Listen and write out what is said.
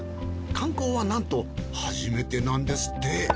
観光はなんと初めてなんですって。